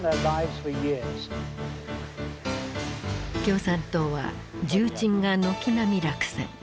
共産党は重鎮が軒並み落選。